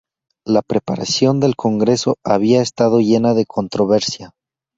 La preparación del congreso había estado llena de controversia.